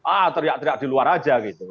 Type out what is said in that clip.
ah teriak teriak di luar aja gitu